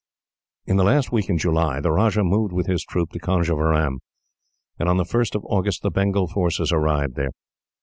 In the last week in July, the Rajah moved with his troop to Conjeveram, and on the 1st of August the Bengal forces arrived there.